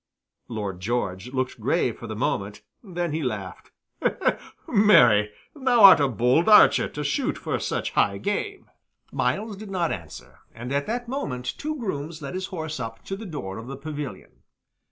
Lord George looked grave for the moment; then he laughed. "Marry, thou art a bold archer to shoot for such high game." Myles did not answer, and at that moment two grooms led his horse up to the door of the pavilion.